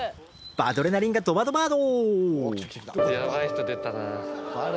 「バドレナリンがどばどバード」。